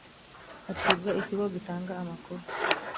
acibwa ikigo gitanga amakuru